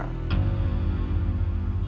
mungkin telinga kamu kotor